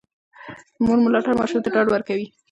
د مور ملاتړ ماشوم ته ډاډ ورکوي.